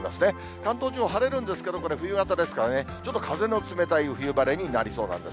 関東地方、晴れるんですけど、これ、冬型ですからね、ちょっと風の冷たい冬晴れになりそうなんです。